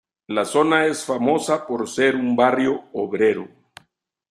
La zona es famosa por ser un barrio obrero.